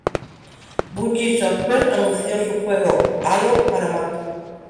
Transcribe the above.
Bungie Software anunció su juego Halo para Mac.